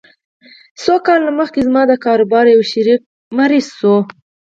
څو کاله مخکې زما د کاروبار يو شريک ناروغ شو.